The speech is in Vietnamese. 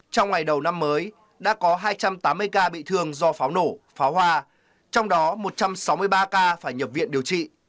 trong ngày đầu năm mới đã có hai trăm tám mươi ca bị thương do pháo nổ pháo hoa trong đó một trăm sáu mươi ba ca phải nhập viện điều trị